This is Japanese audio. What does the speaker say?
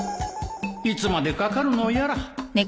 いつまでかかるのやら